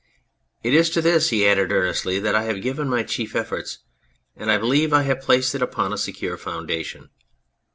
It is to this," he added earnestly, "that I have given my chief efforts, and I believe I have placed it upon a secure foundation.